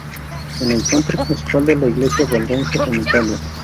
Es el centro principal de la Iglesia Valdense en Italia.